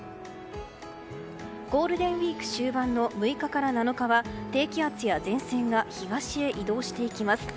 ゴールデンウィーク終盤の６日から７日は低気圧や前線が東へ移動していきます。